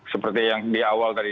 seperti yang di awal tadi